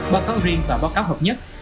báo cáo riêng và báo cáo hợp nhất